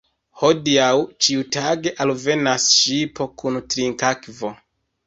Hodiaŭ ĉiutage alvenas ŝipo kun trinkakvo.